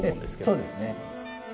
ええそうですね。